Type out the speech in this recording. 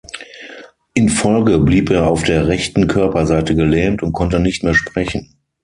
In Folge blieb er auf der rechten Körperseite gelähmt und konnte nicht mehr sprechen.